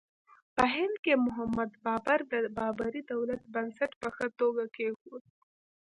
په هند کې محمد بابر د بابري دولت بنسټ په ښه توګه کېښود.